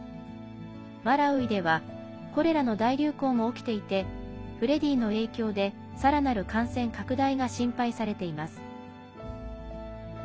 マラウイではコレラの大流行も起きていてフレディの影響でさらなる感染拡大が心配されています。